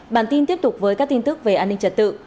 bản tin tiếp tục với các tin tức về an ninh trật tự